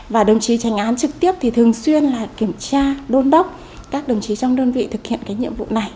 và đồng chí tranh án trực tiếp thì thường xuyên là kiểm tra đôn đốc các đồng chí trong đơn vị thực hiện cái nhiệm vụ này